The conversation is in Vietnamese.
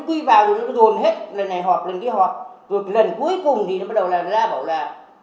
quy vào rồi nó đồn hết lần này họp lần kia họp được lần cuối cùng thì nó bắt đầu là ra bảo là